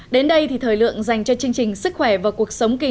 đến đây thì thời lượng dành cho chương trình sức khỏe và cuộc sống kỳ